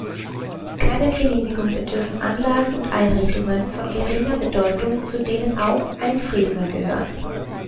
Keiner Genehmigung bedürfen Anlagen und Einrichtungen von geringer Bedeutung, zu denen auch Einfriedungen gehören.